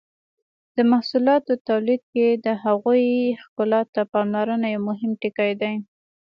د محصولاتو تولید کې د هغوی ښکلا ته پاملرنه یو مهم ټکی دی.